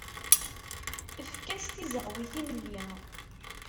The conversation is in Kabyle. Efk-as tizeɣwi timelli.